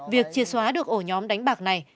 việc chia xóa được ổ nhóm đánh bạc này